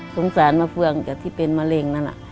สารมะเฟืองจากที่เป็นมะเร็งนั่นน่ะ